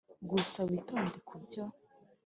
gusa witonde kubyo.